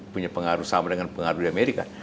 punya pengaruh sama dengan pengaruh di amerika